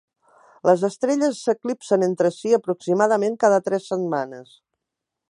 Les estrelles s'eclipsen entre si, aproximadament cada tres setmanes.